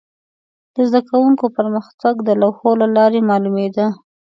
د زده کوونکو پرمختګ د لوحو له لارې معلومېده.